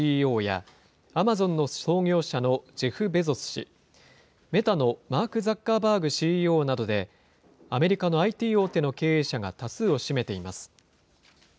ＣＥＯや、アマゾンの創業者のジェフ・ベゾス氏、メタのマーク・ザッカーバーグＣＥＯなどで、アメリカのＩＴ大手の経営者が多数を占めています。